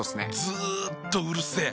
ずっとうるせえ。